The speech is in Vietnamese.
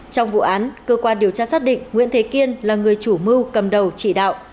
trong vụ án cơ quan điều tra xác định nguyễn thế kiên là người chủ mưu cầm đầu chỉ đạo